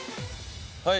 はい。